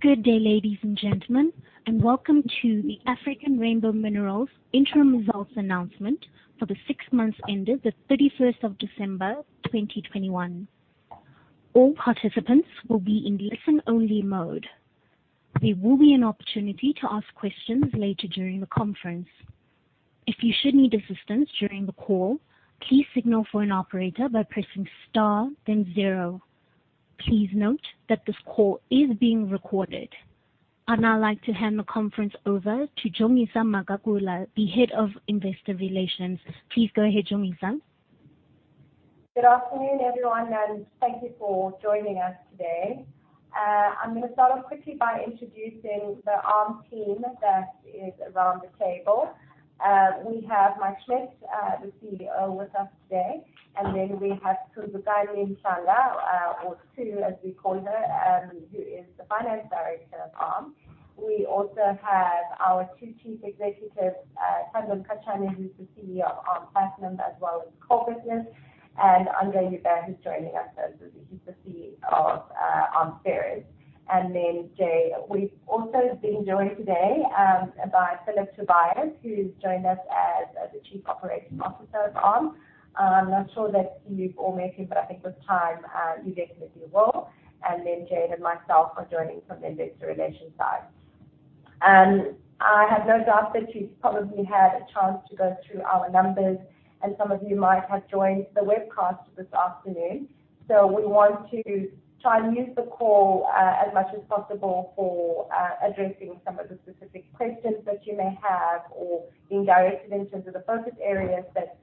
Good day, ladies and gentlemen, and welcome to the African Rainbow Minerals interim results announcement for the six months ended the 31st December, 2021. All participants will be in listen-only mode. There will be an opportunity to ask questions later during the conference. If you should need assistance during the call, please signal for an operator by pressing star, then zero. Please note that this call is being recorded. I'd now like to hand the conference over to Jongisa Magagula, the Head of Investor Relations. Please go ahead, Jongisa. Good afternoon, everyone, and thank you for joining us today. I'm gonna start off quickly by introducing the ARM team that is around the table. We have Mike Schmidt, the CEO with us today. Then we have Tsundzukani Mhlanga, or Tu, as we call her, who is the Finance Director of ARM. We also have our two Chief Executives, Thando Mkatshana, who's the CEO of ARM Platinum as well as coal business, and Andre Joubert who's joining us. He's the CEO of ARM Ferrous. Then Jay. We've also been joined today by Phillip Tobias, who's joined us as the Chief Operating Officer of ARM. I'm not sure that you've all met him, but I think with time, you definitely will. Then Jay and myself are joining from investor relations side. I have no doubt that you've probably had a chance to go through our numbers, and some of you might have joined the webcast this afternoon. We want to try and use the call as much as possible for addressing some of the specific questions that you may have or being directed in terms of the focus areas that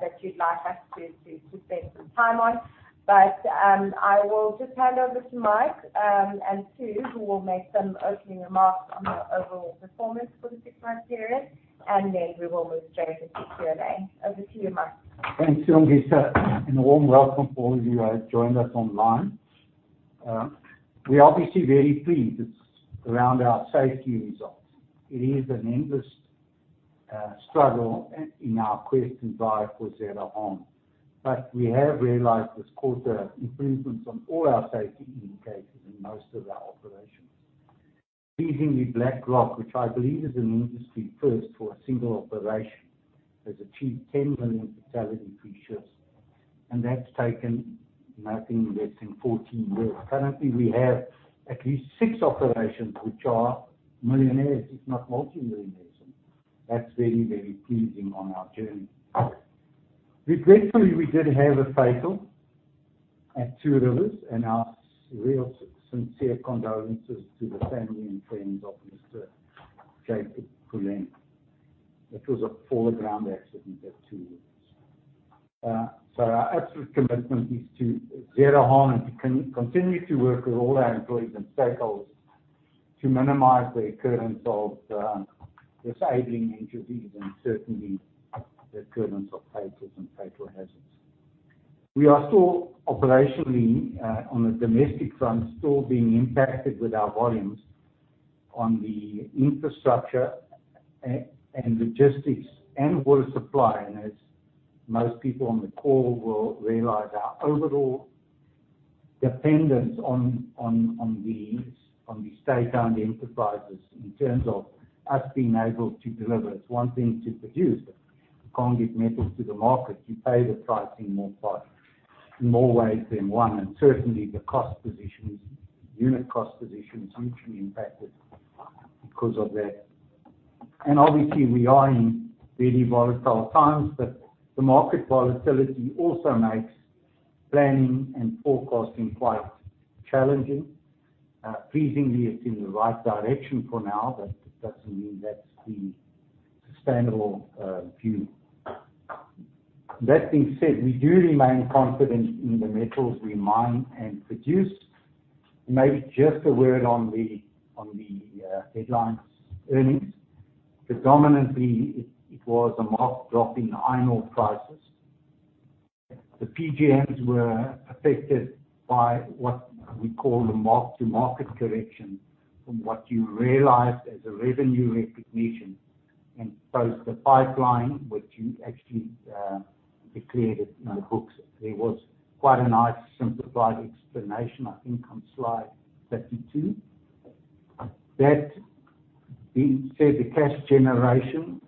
that you'd like us to to spend some time on. I will just hand over to Mike and Tu who will make some opening remarks on the overall performance for the six-month period, and then we will move straight into Q&A. Over to you, Mike. Thanks, Jongisa. A warm welcome to all of you who have joined us online. We are obviously very pleased around our safety results. It is an endless struggle in our quest and drive towards zero harm. We have realized this quarter improvements on all our safety indicators in most of our operations. Pleasingly Black Rock, which I believe is an industry first for a single operation, has achieved 10 million fatality free shifts, and that's taken nothing less than 14 years. Currently, we have at least six operations which are millionaires, if not multimillionaires. That's very, very pleasing on our journey. Regretfully, we did have a fatal at Two Rivers, and our real sincere condolences to the family and friends of Mr. Jacob Pule. It was a fall of ground accident at Two Rivers. Our absolute commitment is to Zero Harm and to continue to work with all our employees and stakeholders to minimize the occurrence of disabling injuries and certainly the occurrence of fatalities and fatal hazards. We are still operationally on the domestic front still being impacted with our volumes on the infrastructure and logistics and water supply. As most people on the call will realize, our overall dependence on the state-owned enterprises in terms of us being able to deliver. It is one thing to produce. If you cannot get metal to the market, you pay the price in more ways than one. Certainly the cost positions, unit cost positions hugely impacted because of that. Obviously we are in very volatile times, but the market volatility also makes planning and forecasting quite challenging. Pleasingly, it's in the right direction for now, but that doesn't mean that's the sustainable view. That being said, we do remain confident in the metals we mine and produce. Maybe just a word on the headline earnings. Predominantly, it was a marked drop in iron ore prices. The PGMs were affected by what we call the mark-to-market correction from what you realized as a revenue recognition and post the pipeline, which you actually declared it in the books. There was quite a nice simplified explanation, I think, on slide 32. That being said, the cash generation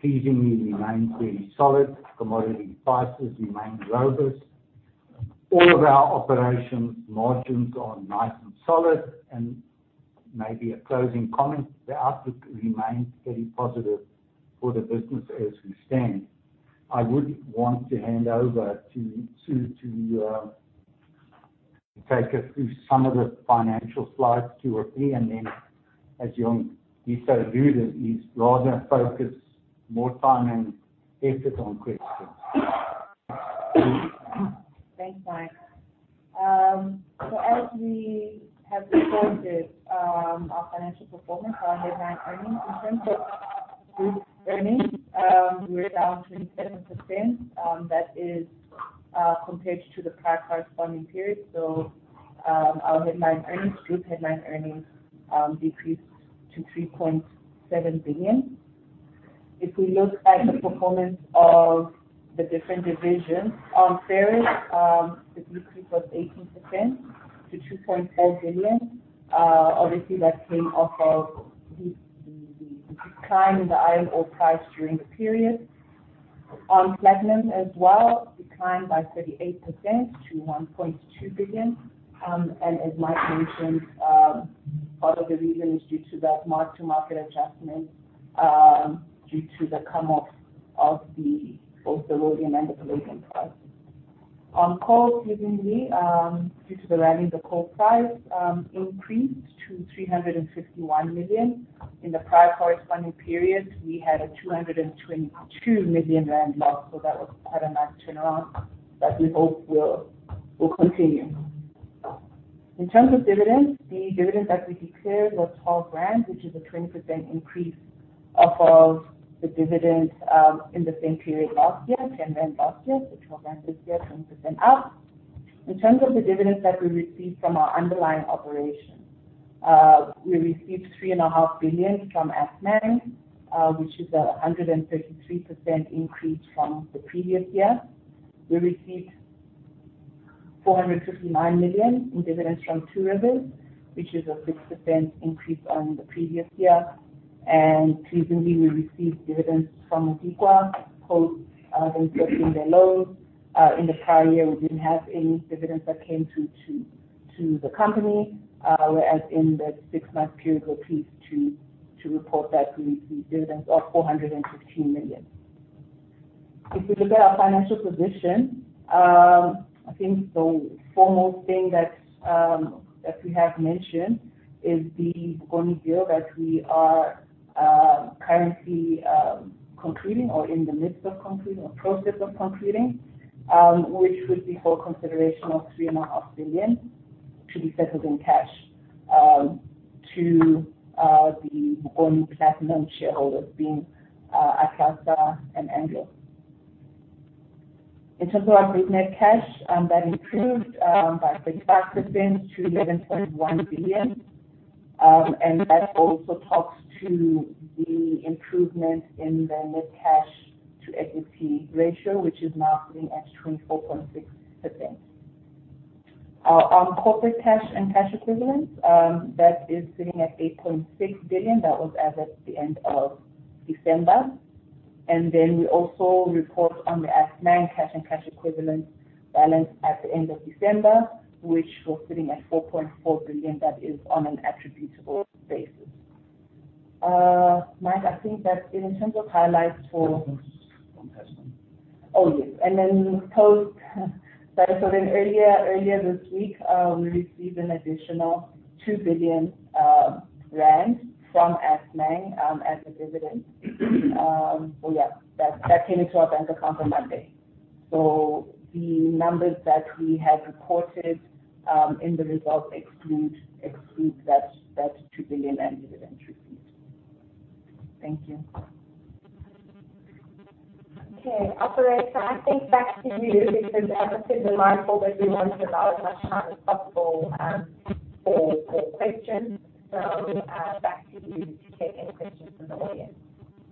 pleasingly remained really solid. Commodity prices remained robust. All of our operations margins are nice and solid. Maybe a closing comment, the outlook remains very positive for the business as we stand. I would want to hand over to Tu to take us through some of the financial slides, two or three, and then, as Jongisa alluded, rather focus more time and effort on questions. Thanks, Mike. As we have reported, our financial performance, our headline earnings in terms of group earnings, we're down 27%, that is, compared to the prior corresponding period. Our headline earnings, group headline earnings, decreased to 3.7 billion. If we look at the performance of the different divisions on ferrous, the decrease was 18% to 2.4 billion. Obviously that came off of the decline in the iron ore price during the period. On platinum as well, declined by 38% to 1.2 billion. As Mike mentioned, part of the reason is due to that mark-to-market adjustment, due to the come off of both the rhodium and the palladium price. On coal, seemingly, due to the rally in the coal price, increased to 351 million. In the prior corresponding period, we had a 222 million rand loss. That was quite a nice turnaround that we hope will continue. In terms of dividends, the dividends that we declared was 12, which is a 20% increase off of the dividend, in the same period last year, 10 rand last year to 12 rand this year, 10% up. In terms of the dividends that we received from our underlying operations, we received 3.5 billion from Assmang, which is a 133% increase from the previous year. We received 459 million in dividends from Two Rivers, which is a 6% increase on the previous year. Recently we received dividends from Modikwa post them getting their loan. In the prior year, we didn't have any dividends that came to the company. Whereas in the six-month period, we're pleased to report that we received dividends of 415 million. If we look at our financial position, I think the foremost thing that we have mentioned is the Bokoni deal that we are currently concluding or in the midst of concluding or process of concluding, which would be for consideration of 3.5 billion to be settled in cash to the Bokoni Platinum shareholders, being Atlatsa and Anglo. In terms of our group net cash, that improved by 35% to 11.1 billion. That also talks to the improvement in the net cash to equity ratio, which is now sitting at 24.6%. Our corporate cash and cash equivalents, that is sitting at 8.6 billion. That was as at the end of December. We also report on the Assmang cash and cash equivalents balance at the end of December, which was sitting at 4.4 billion. That is on an attributable basis. Mike, I think that in terms of highlights for. Oh, yes. Earlier this week, we received an additional 2 billion rand from Assmang as a dividend. That came into our bank account on Monday. The numbers that we have reported in the results exclude that 2 billion dividend receipt. Thank you. Okay, operator, I think back to you because I have to be mindful that we want to allow as much time as possible for questions. Back to you to take any questions from the audience.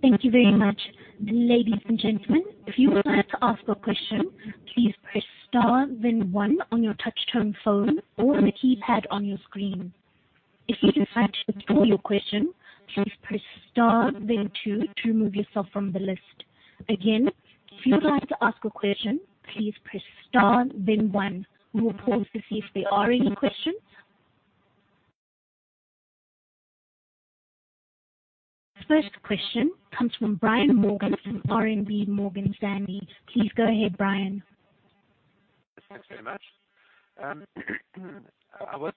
Thank you very much. Ladies and gentlemen, if you would like to ask a question, please press star then one on your touchtone phone or the keypad on your screen. If you decide to withdraw your question, please press star then two to remove yourself from the list. Again, if you would like to ask a question, please press star then one. We will pause to see if there are any questions. First question comes from Brian Morgan from RMB Morgan Stanley. Please go ahead, Brian. Thanks very much.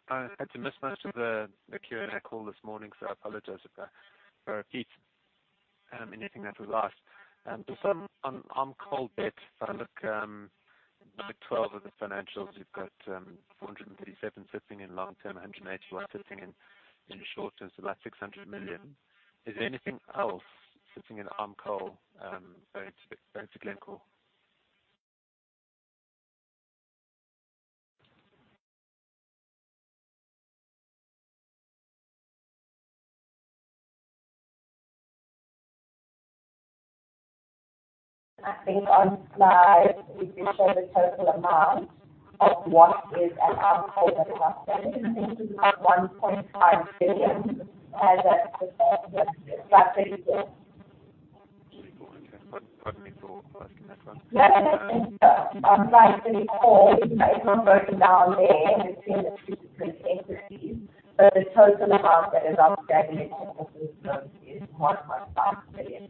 I had to miss most of the Q&A call this morning, so I apologize if I repeat anything that was asked. For some uncalled debt, if I look, number 12 of the financials, you've got 437 million sitting in long-term, 181 million sitting in short-term, so about 600 million. Is there anything else sitting in uncalled, owed to Glencore? I think on slide we do show the total amount of what is uncalled and outstanding. I think we've got ZAR 1.5 billion as at. [inaudible] [inaudible] No, no. It's on slide 24. It's not broken down there between the two different entities, but the total amount that is outstanding is.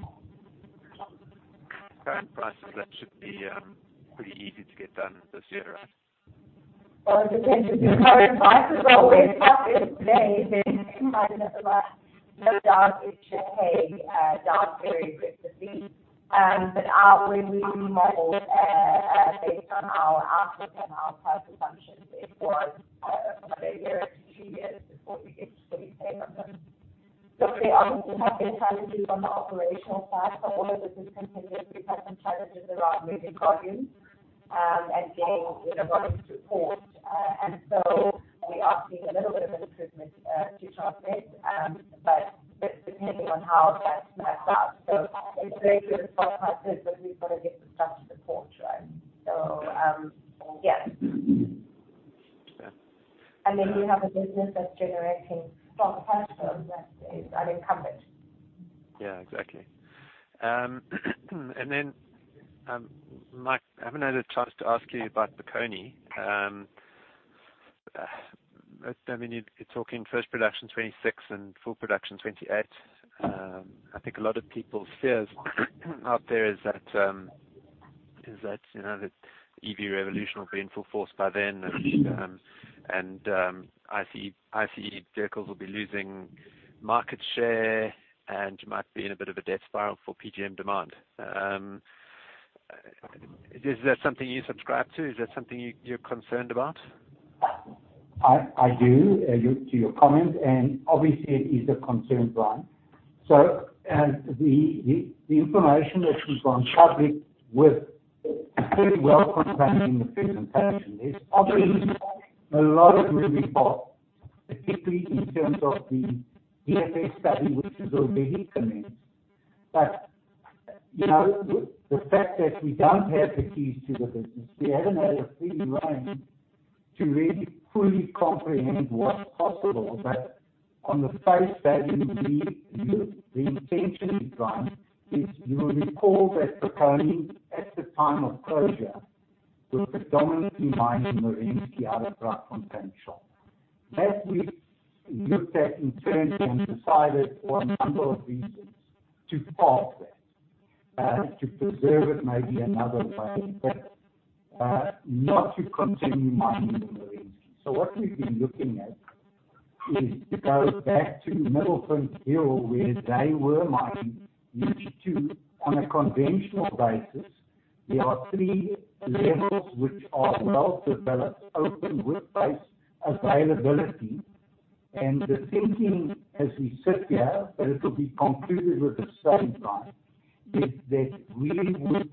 [inaudible] Current prices, that should be, pretty easy to get done this year, right? Well, in terms of the current prices, it's always tough. It may then come down a bit, but no doubt it should payback very quickly. We modeled based on our outlook and our price assumptions; it was over a year or two years before we expect payback. Look, we obviously have had challenges on the operational side. All of this is contingent. We've had some challenges around moving volume. And again, you know, what is the port. We are seeing a little bit of an improvement to Transnet. But depending on how that stacks up. It's very good as far as that goes, but we've got to get the stuff to the port, right? Yes. Yeah. You have a business that's generating spot cash flows that is unencumbered. Yeah, exactly. Mike, I haven't had a chance to ask you about Bokoni. I mean, you're talking first production 2026 and full production 2028. I think a lot of people's fears out there is that, you know, the EV revolution will be in full force by then. IC vehicles will be losing market share, and you might be in a bit of a death spiral for PGM demand. Is that something you subscribe to? Is that something you're concerned about? I agree to your comment, and obviously it is a concern, Brian. The information that we've gone public with is very well contained in the presentation. There's obviously a lot of moving parts, particularly in terms of the DFS study, which has already commenced. The fact that we don't have the keys to the business, we haven't had a free rein to really fully comprehend what's possible. On the face value, the intention, Brian, is you will recall that Bokoni, at the time of closure, was predominantly mining Merensky out of Shaft [Concentractor]. That we looked at internally and decided for a number of reasons to park that to preserve it maybe another way, not to continue mining the Merensky. What we've been looking at is to go back to Middelpunt Hill, where they were mining UG2 on a conventional basis. There are three levels which are well developed, open workspace availability. The thinking as we sit here, but it'll be concluded with the same, Brian, is that we would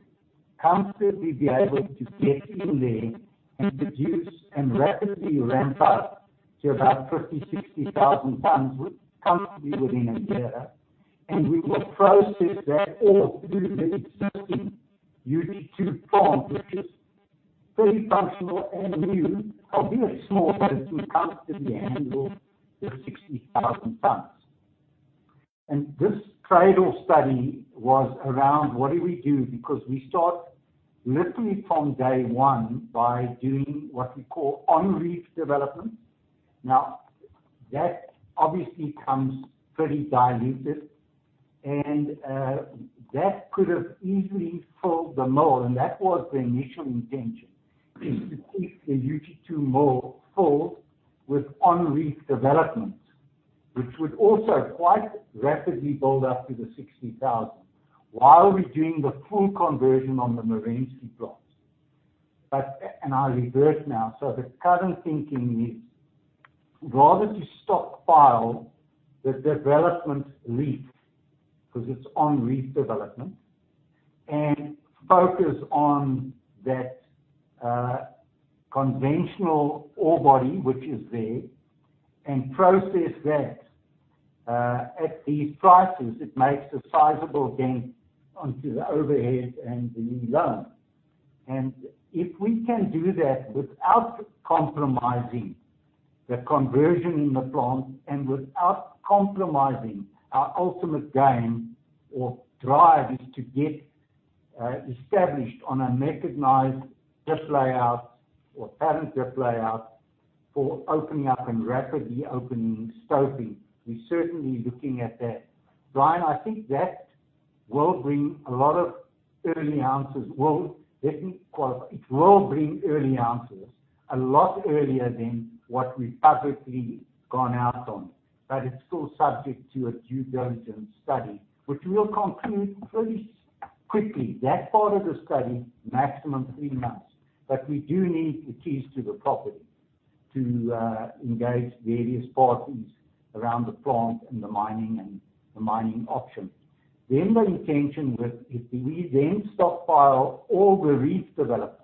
comfortably be able to get in there and produce and rapidly ramp up to about 50,000-60,000 tons comfortably within a year. We will process that all through the existing UG2 plant, which is fully functional and new, albeit smaller, to comfortably handle the 60,000 tons. This cradle study was around what do we do because we start literally from day one by doing what we call on-reef development. Now, that obviously comes pretty diluted and, that could have easily filled the mill. That was the initial intention, is to keep the UG2 mill full with on-reef development, which would also quite rapidly build up to the 60,000 while we're doing the full conversion on the Merensky plant. I revert now. The current thinking is rather to stockpile the development reef, 'cause it's on-reef development, and focus on that, conventional ore body which is there and process that, at these prices it makes a sizable dent onto the overhead and the loan. If we can do that without compromising the conversion in the plant and without compromising our ultimate gain or drive is to get, established on a recognized drift layout or paired drift layout for opening up and rapidly opening stoping. We're certainly looking at that. Brian, I think that will bring a lot of early answers. Well, let me qualify. It will bring early answers a lot earlier than what we've publicly gone out on. It's still subject to a due diligence study, which we'll conclude pretty quickly. That part of the study, maximum three months. We do need the keys to the property to engage various parties around the plant and the mining option. The intention with is we then stockpile all the reef development.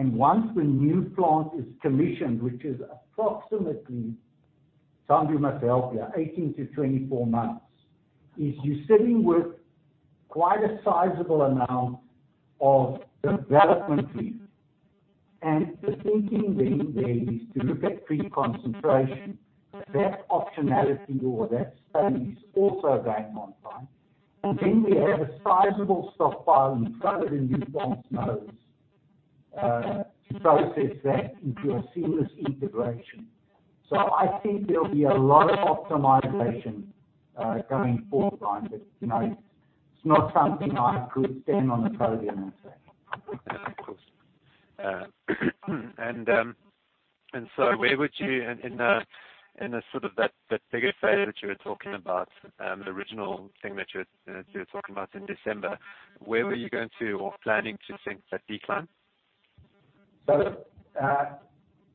Once the new plant is commissioned, which is approximately, Zandile you must help here, 18-24 months. You're sitting with quite a sizable amount of development reef. The thinking then there is to look at pre-concentration. That optionality or that study is also going on, Brian. Then we have a sizable stockpile in front of the new plant nose to process that into a seamless integration. I think there'll be a lot of optimization going forward, Brian. You know, it's not something I could stand on the podium and say. Of course. Where would you in the sort of that bigger phase that you were talking about, the original thing that you were talking about in December. Where were you going to or planning to sink that decline?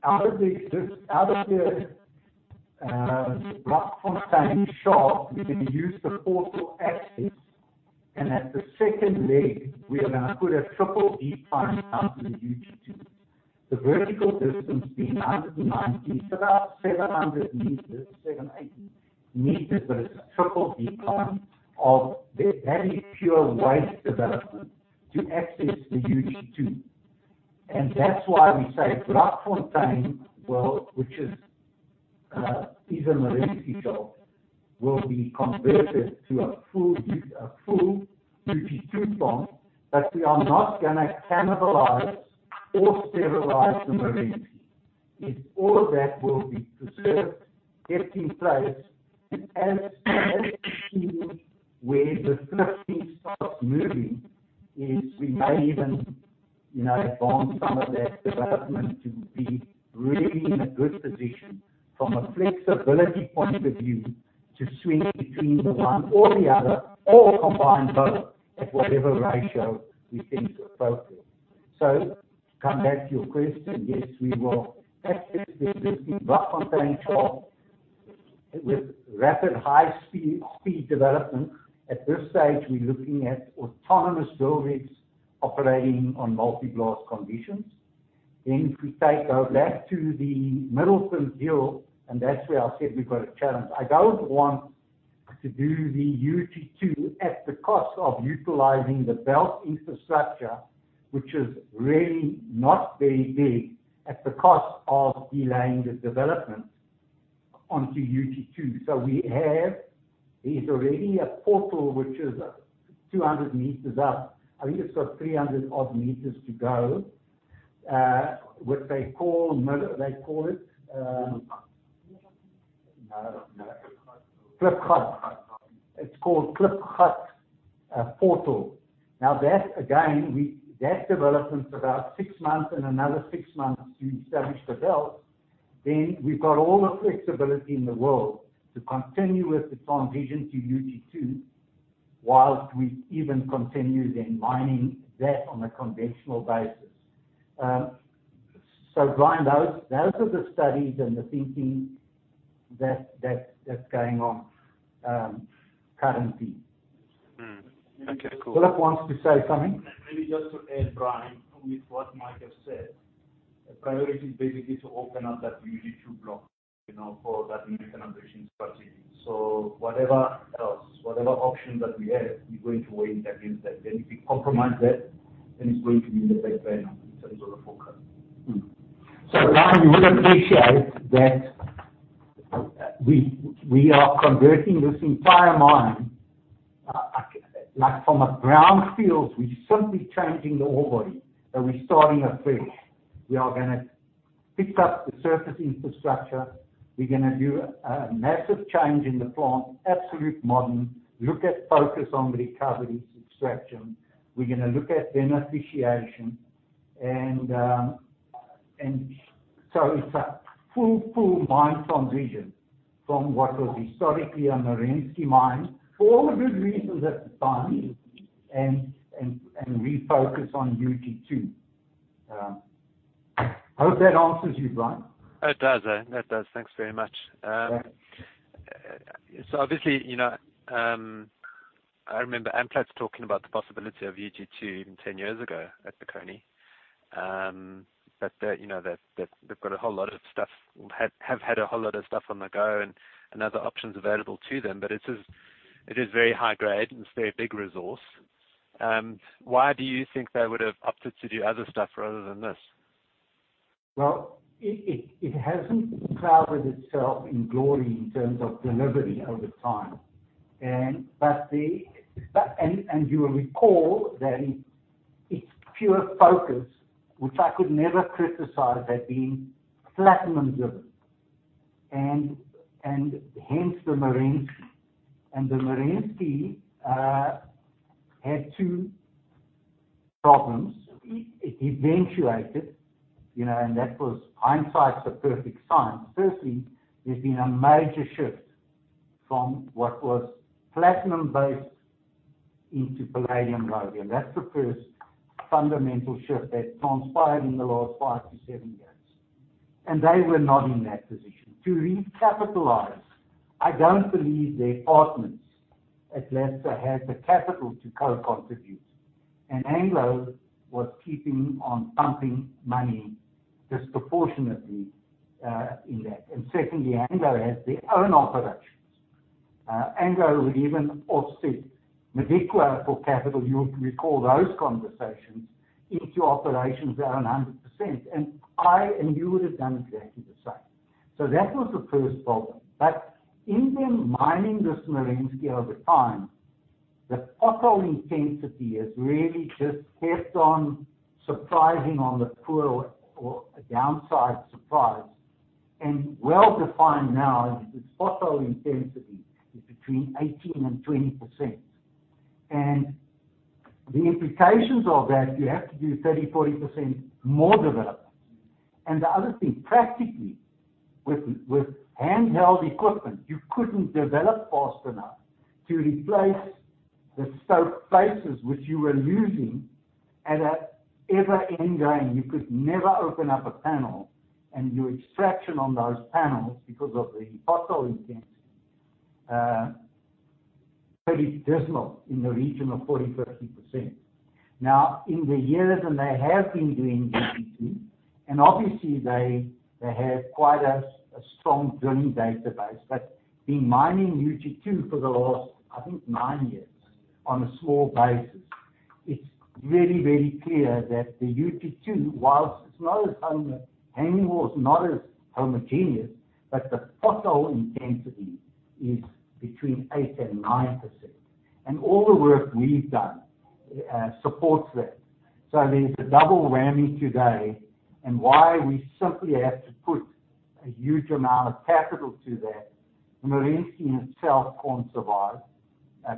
Out of the Brakfontein Shaft, we can use the portal access. At the second leg we are gonna put a triple decline down to the UG2. The vertical distance being under 90, so about 700 meters, 780 meters. It's a triple decline of very pure waste development to access the UG2. That's why we say Brakfontein, well, which is a Merensky Shaft, will be converted to a full UG2 plant. We are not gonna cannibalize or sterilize the Merensky. All that will be preserved, kept in place. As and when the flipping starts moving, we may even, you know, advance some of that development to be really in a good position from a flexibility point of view, to swing between the one or the other, or combine both at whatever ratio we think is appropriate. To come back to your question, yes, we will access the existing Brakfontein Shaft with rapid high speed development. At this stage, we're looking at autonomous drill rigs operating on multi-blast conditions. If we go back to the Middelpunt Hill, and that's where I said we've got a challenge. I don't want to do the UG2 at the cost of utilizing the belt infrastructure, which is really not very big, at the cost of delaying the development onto UG2. We have. There's already a portal which is 200 meters up. I think it's got 300 odd meters to go, what they call. They call it. Klipgat. No, no. Klipgat. Klipgat. It's called Klipgat portal. Now that, again, that development's about six months and another six months to establish the belt. Then we've got all the flexibility in the world to continue with the transition to UG2 whilst we even continue then mining that on a conventional basis. Brian, those are the studies and the thinking that's going on currently. Okay, cool. Phillip wants to say something. Maybe just to add, Brian, to what Mike has said. The priority is basically to open up that UG2 block, you know, for that new transition strategy. Whatever else, whatever option that we have, we're going to weigh it against that. If we compromise that, it's going to be on the back burner in terms of the focus. Brian, you would appreciate that we are converting this entire mine, like from a brownfield. We're simply changing the ore body, and we're starting afresh. We are gonna pick up the surface infrastructure. We're gonna do a massive change in the plant, absolute modern, look at focus on recovery, extraction. We're gonna look at beneficiation and. It's a full mine transition from what was historically a Merensky Mine, for all the good reasons at the time, and refocus on UG2. Hope that answers you, Brian. It does. Thanks very much. Obviously, you know, I remember Amplats talking about the possibility of UG2 even 10 years ago at the Bokoni. They, you know, they've had a whole lot of stuff on the go and other options available to them. It is very high grade and still a big resource. Why do you think they would have opted to do other stuff rather than this? Well, it hasn't shrouded itself in glory in terms of delivery over time. You will recall that its pure focus, which I could never criticize, had been platinum driven and hence the Merensky. The Merensky had two problems. It eventuated, you know, and that was hindsight's a perfect science. Firstly, there's been a major shift from what was platinum-based into palladium, rhodium. That's the first fundamental shift that transpired in the last five to seven years. They were not in that position to recapitalize. I don't believe their partners Atlasta had the capital to co-contribute. Anglo was keeping on pumping money disproportionately in that. Secondly, Anglo has their own operations. Anglo would even offset Modikwa for capital. You will recall those conversations if your operations are 100%. I and you would have done exactly the same. That was the first problem. In the mining of this Merensky over time, the pothole intensity has really just kept on surprising on a downside surprise. Well-defined now, the pothole intensity is between 18% and 20%. The implications of that, you have to do 30%-40% more development. The other thing, practically, with handheld equipment, you couldn't develop fast enough to replace the stope faces which you were losing at an ever-ending game. You could never open up a panel and do extraction on those panels because of the pothole intensity. Pretty dismal in the region of 40%-50%. Now, in the years when they have been doing UG2, and obviously they have quite a strong drilling database. In mining UG2 for the last, I think, nine years on a small basis, it's very, very clear that the UG2, while it's not as homogeneous, hanging wall is not as homogeneous, but the pothole intensity is between 8%-9%. All the work we've done supports that. There's a double whammy today and why we simply have to put a huge amount of capital to that. Merensky itself can't survive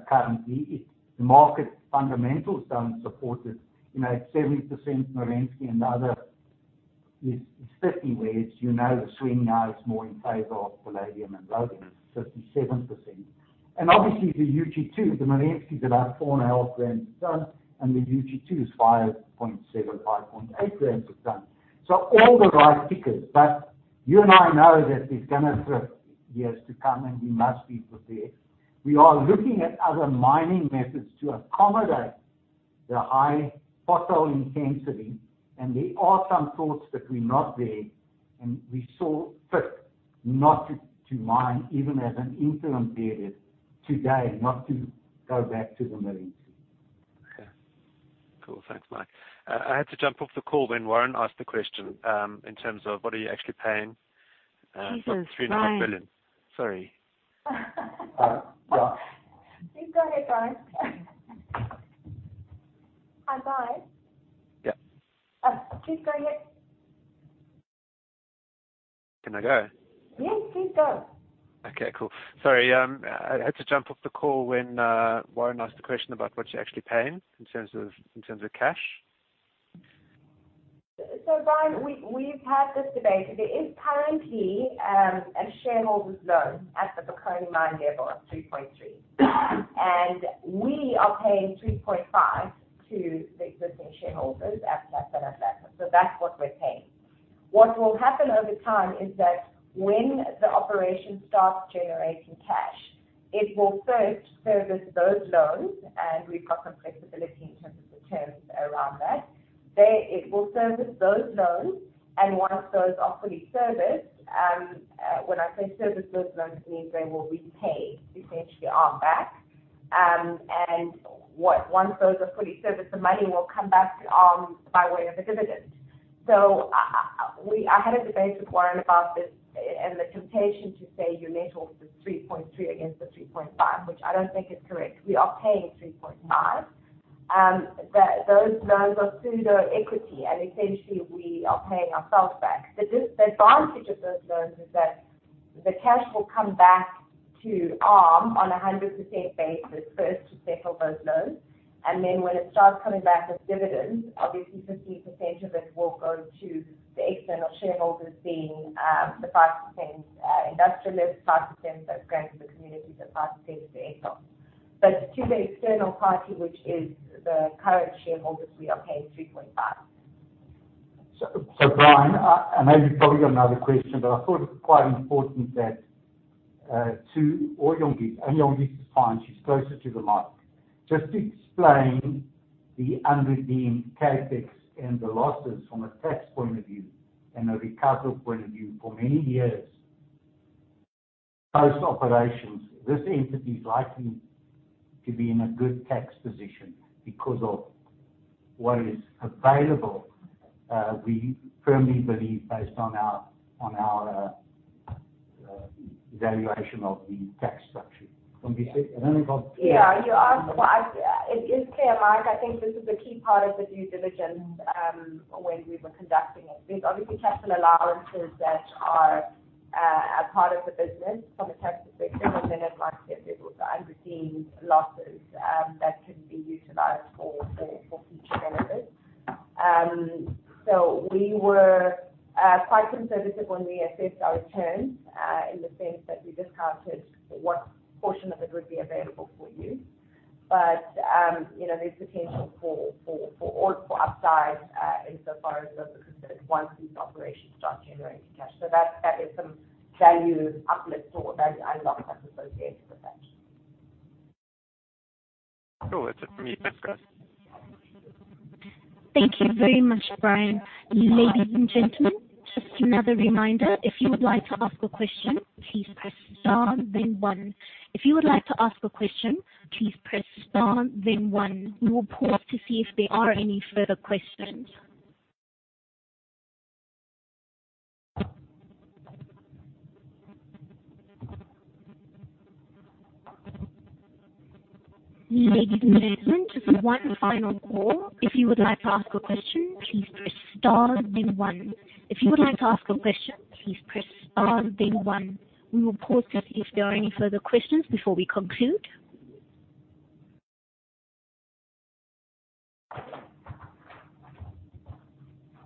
currently. The market fundamentals don't support it. You know, it's 70% Merensky, another is 50, where it's, you know, the swing now is more in favor of palladium and rhodium, it's 57%. Obviously, the UG2, the Merensky's about 4.5 grams a ton, and the UG2 is 5.7-5.8 grams a ton. All the right figures. You and I know that there's gonna for years to come, and we must be prepared. We are looking at other mining methods to accommodate the high pothole intensity. There are some thoughts that we're not there, and we saw fit not to mine, even as an interim period today, not to go back to the Merensky. Okay. Cool. Thanks, Mike. I had to jump off the call when Warren asked the question, in terms of what are you actually paying, Jesus, Brian. About 3.5 billion. Sorry. Yeah. Please go ahead, sorry. Hi, Brian. Yeah. Please go ahead. Can I go? Yes, please go. Okay, cool. Sorry, I had to jump off the call when Warren asked the question about what you're actually paying in terms of cash. Brian, we've had this debate. There is currently a shareholder's loan at the Bokoni mine level of 3.3. We are paying 3.5 to the existing shareholders at that percentage. That's what we're paying. What will happen over time is that when the operation starts generating cash, it will first service those loans, and we've got some flexibility in terms of the terms around that. It will service those loans, and once those are fully serviced, when I say service those loans means they will be paid, essentially paid back. Once those are fully serviced, the money will come back to ARM by way of a dividend. I had a debate with Warren about this and the temptation to say your net hold is 3.3 against the 3.5, which I don't think is correct. We are paying 3.5. Those loans are pseudo equity, and essentially we are paying ourselves back. The advantage of those loans is that the cash will come back to ARM on a 100% basis first to settle those loans. When it starts coming back as dividends, obviously 15% of it will go to the external shareholders, being the 5%, industrialist, 5% that's going to the community, the 5% to Eskom. To the external party, which is the current shareholders, we are paying 3.5. Brian, I know you've probably got another question, but I thought it was quite important that or Jongi. Jongi is fine. She's closer to the mic. Just explain the unredeemed CapEx and the losses from a tax point of view and a recovery point of view. For many years, post operations, this entity is likely to be in a good tax position because of what is available. We firmly believe based on our evaluation of the tax structure. From the six. Then we've got Yeah. You ask, well, It is clear, Mike, I think this is a key part of the due diligence when we were conducting it. There's obviously capital allowances that are a part of the business from a tax perspective, and then there might be a bit of unredeemed losses that can be utilized for future benefits. We were quite conservative when we assessed our terms in the sense that we discounted what portion of it would be available for use. You know, there's potential for upside in so far as that we considered once these operations start generating cash. That is some value uplift or value unlocks that's associated with that. Cool. That's it from me. Thanks, guys. Thank you very much, Brian. Ladies and gentlemen, just another reminder. If you would like to ask a question, please press star then one. We will pause to see if there are any further questions. Ladies and gentlemen, just one final call. If you would like to ask a question, please press star then one. We will pause to see if there are any further questions before we conclude.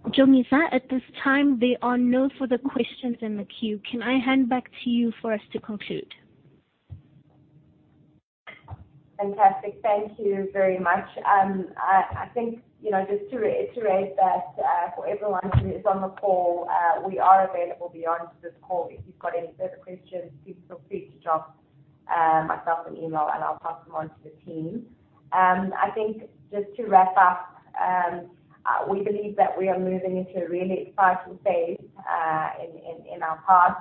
Jongisa, at this time there are no further questions in the queue. Can I hand back to you for us to conclude? Fantastic. Thank you very much. I think, you know, just to reiterate that, for everyone who is on the call, we are available beyond this call. If you've got any further questions, please feel free to drop me an email, and I'll pass them on to the team. I think just to wrap up, we believe that we are moving into a really exciting phase, in our path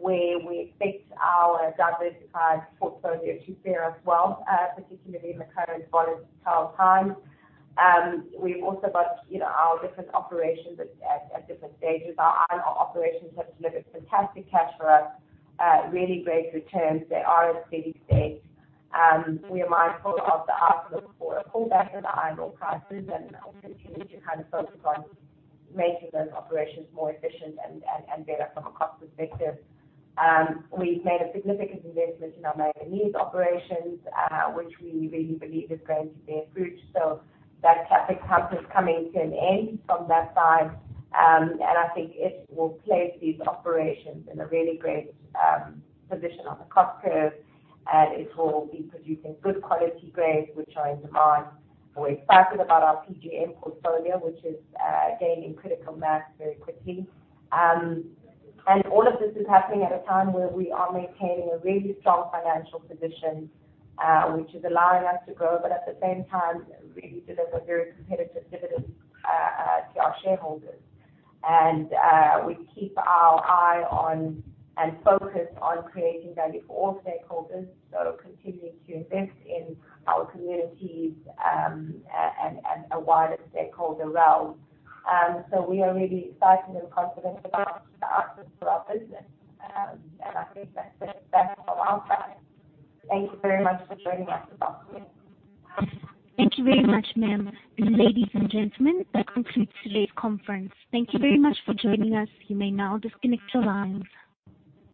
where we expect our diversified portfolio to fare well, particularly in the current volatile times. We've also got, you know, our different operations at different stages. Our iron ore operations have delivered fantastic cash flow, really great returns. They are at steady state. We are mindful of the outlook for a pullback in the iron ore prices and will continue to kind of focus on making those operations more efficient and better from a cost perspective. We've made a significant investment in our manganese operations, which we really believe is going to bear fruit. That CapEx spend is coming to an end from that side. I think it will place these operations in a really great position on the cost curve, and it will be producing good quality grades which are in demand. We're excited about our PGM portfolio, which is gaining critical mass very quickly. All of this is happening at a time where we are maintaining a really strong financial position, which is allowing us to grow but at the same time really deliver very competitive dividends to our shareholders. We keep our eye on and focused on creating value for all stakeholders, continuing to invest in our communities, and a wider stakeholder realm. We are really excited and confident about the outlook for our business. I think that's it then from our side. Thank you very much for joining us this afternoon. Thank you very much, ma'am. Ladies and gentlemen, that concludes today's conference. Thank you very much for joining us. You may now disconnect your lines.